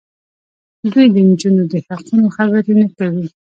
دوی د نجونو د حقونو خبرې نه کوي.